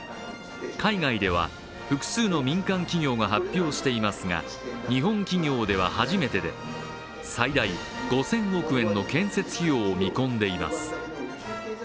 海外では複数の民間企業が発表していますが、日本企業では初めてで、最大５０００億円の建設費用を見込んでいます。